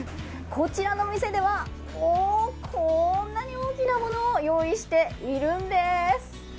こちらの店ではこんなに大きなものを用意しているんです。